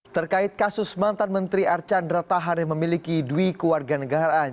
terkait kasus mantan menteri archandra tahar yang memiliki dui kewarganegaraan